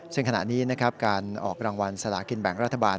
ซึ่งขณะนี้นะครับการออกรางวัลสลากินแบ่งรัฐบาล